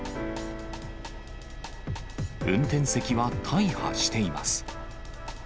運転席は大破しています。